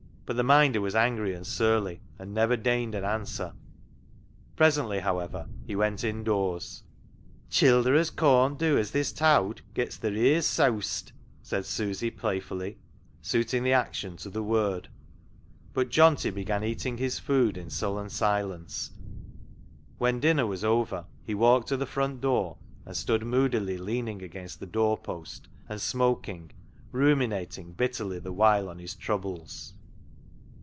But the Minder was angry and surly, and never deigned an answer Presently, however, he went indoors. " Childer as corn't dew as they's towd gets their ears seaused" (boxed), said Susy playfully, suiting the action to the word. But Johnty began eating his food in sullen silence. When dinner was over he walked to the front door, and stood moodily leaning against the doorpost, and smoking, ruminating bitterly the while on his troubles.